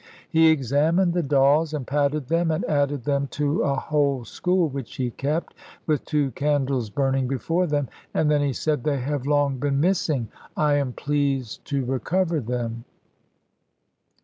He examined the dolls, and patted them, and added them to a whole school which he kept, with two candles burning before them. And then he said, "They have long been missing: I am pleased to recover them."